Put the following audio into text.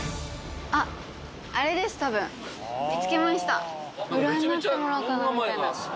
韓国で占ってもらおうかなみたいな。